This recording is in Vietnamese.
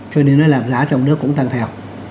cho nên là giá trong nước cũng tăng theo